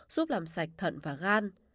giúp làm sạch thận và gan